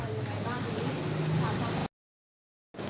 สวัสดีลูกชาย